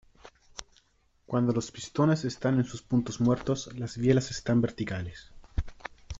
Cuando los pistones están en sus puntos muertos, las bielas están verticales.